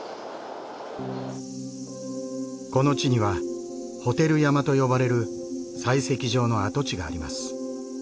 この地にはホテル山と呼ばれる採石場の跡地があります。